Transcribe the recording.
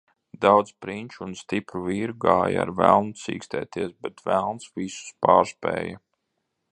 Daudz prinču un stipru vīru gāja ar velnu cīkstēties, bet velns visus pārspēja.